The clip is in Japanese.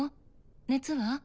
熱は？